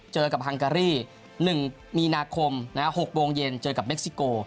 เจอกับฮังการี๑มีนาคม๖โมงเย็นเจอกับเม็กซิโก